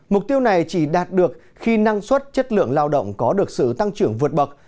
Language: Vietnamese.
mục tiêu này chỉ đạt được khi năng suất chất lượng lao động có được sự tăng trưởng vượt bậc